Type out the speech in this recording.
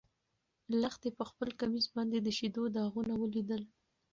لښتې په خپل کمیس باندې د شيدو داغونه ولیدل.